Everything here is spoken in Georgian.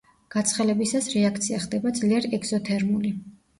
გაცხელებისას რეაქცია ხდება ძლიერ ეგზოთერმული.